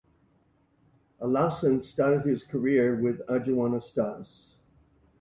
Alhassan started his career with Aduana Stars.